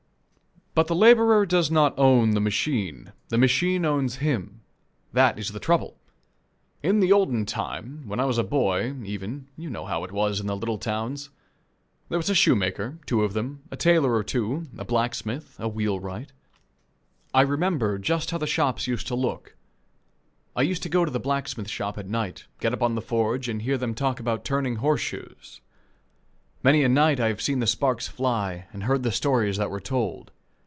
But the laborer does not own the machine; the machine owns him. That is the trouble. In the olden time, when I was a boy, even, you know how it was in the little towns. There was a shoemaker two of them a tailor or two, a blacksmith, a wheelwright. I remember just how the shops used to look. I used to go to the blacksmith shop at night, get up on the forge, and hear them talk about turning horse shoes. Many a night have I seen the sparks fly and heard the stories that were told.